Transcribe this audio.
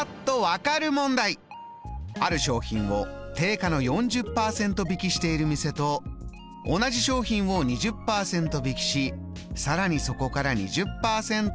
「ある商品を定価の４０％引きしている店と同じ商品を２０％引きしさらにそこから２０％割引した店。